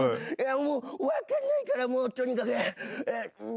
もう分かんないからもうとにかく。